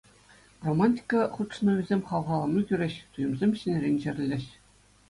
Романтика хутшӑнӑвӗсем хавхалану кӳрӗҫ, туйӑмсем ҫӗнӗрен чӗрӗлӗҫ.